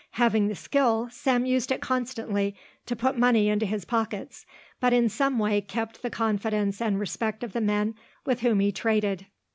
Having the skill, Sam used it constantly to put money into his pockets, but in some way kept the confidence and respect of the men with whom he traded.